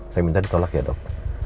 saya minta ditolak ya dok